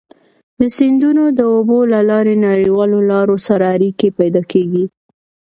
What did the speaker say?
د سیندونو د اوبو له لارې نړیوالو لارو سره اړيکي پيدا کیږي.